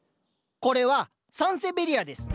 これはサンセベリアです。